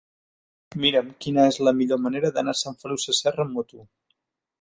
Mira'm quina és la millor manera d'anar a Sant Feliu Sasserra amb moto.